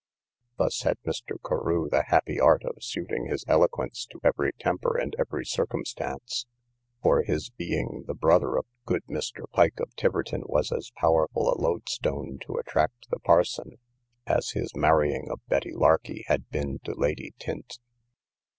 Thus had Mr. Carew the happy art of suiting his eloquence to every temper and every circumstance; for his being the brother of good Mr. Pike, of Tiverton, was as powerful a loadstone to attract the parson, as his marrying of Betty Larkey had been to Lady Tynte.